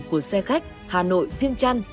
của xe khách hà nội thiên trăn